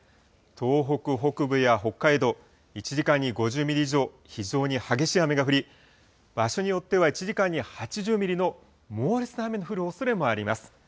東北北部や北海道、１時間に５０ミリ以上、非常に激しい雨が降り、場所によっては１時間に８０ミリの猛烈な雨の降るおそれもあります。